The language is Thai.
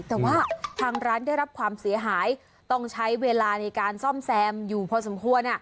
แต่ว่าทางร้านได้รับความเสียหายต้องใช้เวลาในการซ่อมแซมอยู่พอสมควร